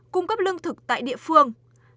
hai cung cấp lương thực tại địa phương